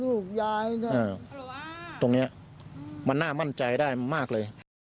ลูกยายตรงนี้มันหน้ามั่นใจได้มากเลย